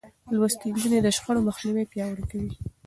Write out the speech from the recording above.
لوستې نجونې د شخړو مخنيوی پياوړی کوي.